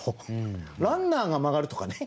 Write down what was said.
「ランナーが曲がる」とかね